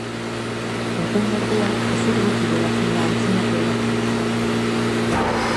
Egun, ordea, ezer gutxi geratzen da antzinako eraikin hartatik.